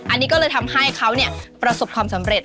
อันนี้ก็เลยทำให้เขาประสบความสำเร็จ